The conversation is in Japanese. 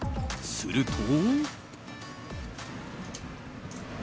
すると。